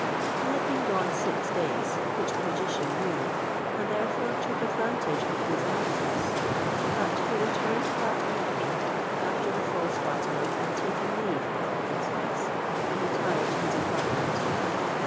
He had been gone six days, which the magician knew, and therefore took advantage of his absence; but he returned that evening after the false Fatima had taken leave of the princess, and retired to his apartment.